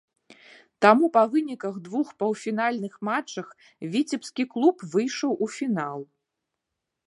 Таму па выніках двух паўфінальных матчах віцебскі клуб выйшаў у фінал.